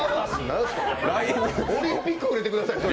オリンピックも入れてください。